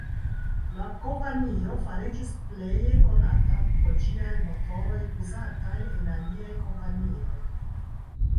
La kompanio fariĝis pleje konata pro ĝiaj motoroj uzataj en aliaj kompanioj.